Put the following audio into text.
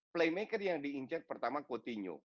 playmaker yang diinjak pertama coutinho